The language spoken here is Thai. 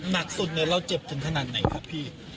หนักสุดเราเจ็บถึงขนาดไหนครับพี่